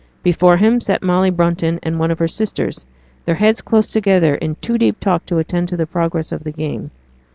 Before him sat Molly Brunton and one of her sisters, their heads close together in too deep talk to attend to the progress of the game.